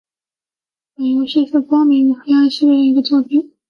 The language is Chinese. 本游戏是光明与黑暗系列的一个作品。